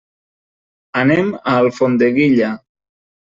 Anem a Alfondeguilla.